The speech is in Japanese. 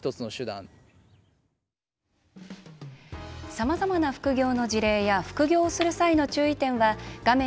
さまざまな副業の事例や副業する際の注意点は画面